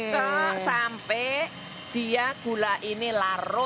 kok sampai dia gula ini larut